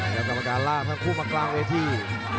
แล้วกรรมการลากทั้งคู่มากลางเวที